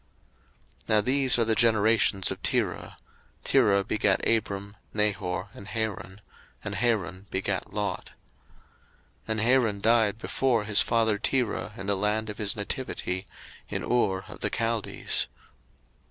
01:011:027 Now these are the generations of Terah: Terah begat Abram, Nahor, and Haran; and Haran begat Lot. 01:011:028 And Haran died before his father Terah in the land of his nativity, in Ur of the Chaldees.